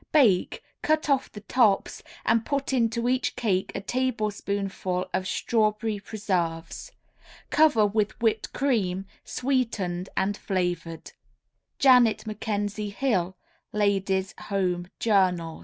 Bake, cut off the tops and put into each cake a tablespoonful of strawberry preserves. Cover with whipped cream sweetened and flavored. _Janet McKenzie Hill Ladies' Home Journal.